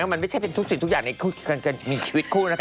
มันไม่ใช่เป็นทุกสิ่งทุกอย่างในการมีชีวิตคู่นะคะ